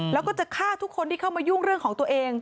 แล้วก็จะฆ่าทุกคนที่เข้ามายุ่งเรื่องของตัวเอง